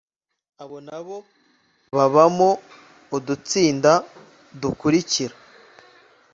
abo nabo babamo udutsinda dukurikira